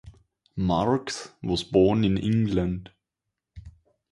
Marks was born in England.